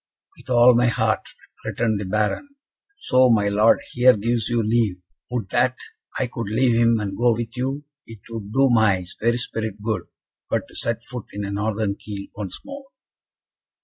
"With all my heart," returned the Baron, "so my Lord here gives you leave: would that I could leave him and go with you. It would do my very spirit good but to set foot in a Northern keel once more."